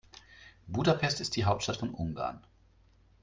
Budapest ist die Hauptstadt von Ungarn.